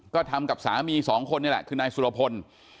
ก็ทำกับสามีสองคนนี่แหละคือนายสุรพล